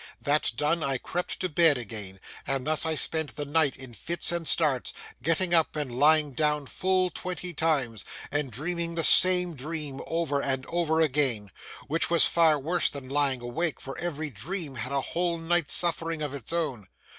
That done, I crept to bed again; and thus I spent the night in fits and starts, getting up and lying down full twenty times, and dreaming the same dream over and over again,—which was far worse than lying awake, for every dream had a whole night's suffering of its own.